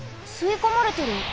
すいこまれてる。